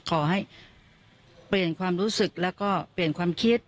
ขอให้เปลี่ยนความรู้สึกแล้วก็เปลี่ยนความคิด